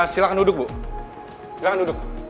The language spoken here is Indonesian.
silahkan duduk bu silakan duduk